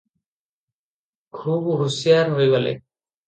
ଖୁବ୍ ହୁସିଆର ହୋଇଗଲେ ।